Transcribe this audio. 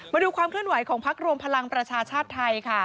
มาดูความเคลื่อนไหวของพักรวมพลังประชาชาติไทยค่ะ